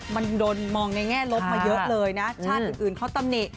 มันโดนมองในแง่ลบมาเยอะเลยนะชาติอื่นเขาตำหนิ